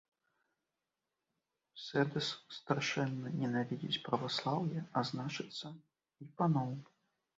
Сэдас страшэнна ненавідзіць праваслаўе, а значыцца, і паноў.